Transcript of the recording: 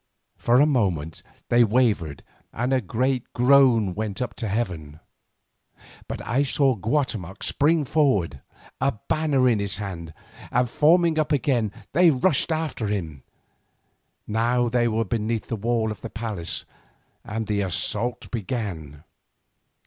For a moment they wavered and a great groan went up to heaven, but I saw Guatemoc spring forward, a banner in his hand, and forming up again they rushed after him. Now they were beneath the wall of the palace, and the assault began.